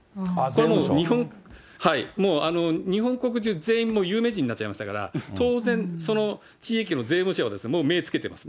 これもう、日本国中全員、もう有名人になっちゃいましたから、当然、その地域の税務署はもう目をつけてます。